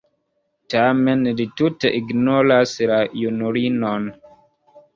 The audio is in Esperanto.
Tamen li tute ignoras la junulinon.